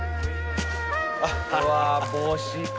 うわ帽子か。